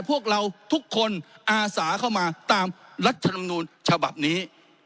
พวกเราทุกคนอาสาเข้ามาตามรัฐธรรมนูญฉบับนี้